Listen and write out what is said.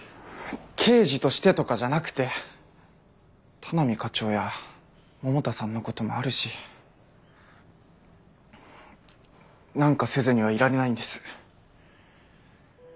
刑事としてとかじゃなくて田波課長や百田さんのこともあるし。何かせずにはいられないんです。